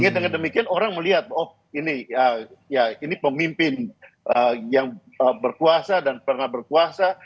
dengan demikian orang melihat oh ini ya ini pemimpin yang berkuasa dan pernah berkuasa